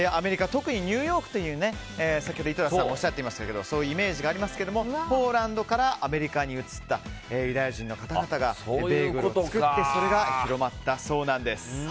特にニューヨークという先ほど井戸田さんがおっしゃっていましたがそういうイメージがありますがポーランドからアメリカに移ったユダヤ人の方々がベーグルを作ってそれが広まったそうなんです。